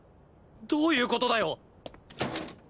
どういう事だよ！？